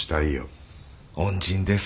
恩人です。